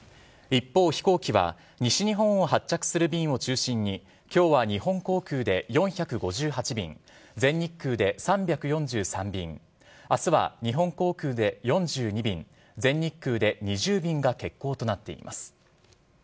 一方、飛行機は西日本を発着する便を中心に、きょうは日本航空で４５８便、全日空で３４３便、あすは日本航空で４２便、全日空で２０便が欠航となっています。